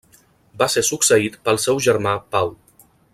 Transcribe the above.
Va ser succeït pel seu germà Pau.